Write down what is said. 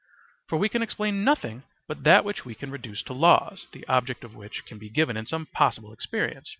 For we can explain nothing but that which we can reduce to laws, the object of which can be given in some possible experience.